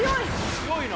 強いな！